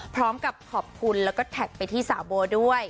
พร้อมกับขอบคุณแล้วก็แท็กไปที่สาวโบด้วย